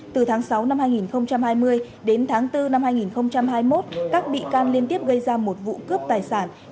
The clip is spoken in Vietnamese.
từ tháng sáu năm hai nghìn hai mươi đến tháng bốn năm hai nghìn hai mươi một các bị can liên tiếp gây ra một vụ cướp tài sản